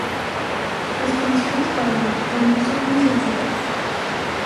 Las condiciones para el intercambio son muy sencillas.